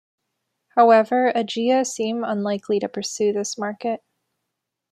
However Ageia seem unlikely to pursue this market.